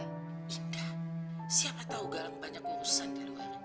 enggak siapa tahu galang banyak urusan di luar